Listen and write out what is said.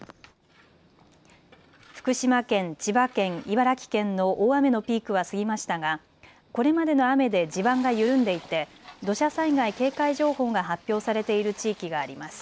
福島県、千葉県、茨城県の大雨のピークは過ぎましたが、これまでの雨で地盤が緩んでいて土砂災害警戒情報が発表されている地域があります。